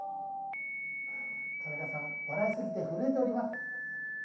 カメラさん、笑い過ぎて震えております。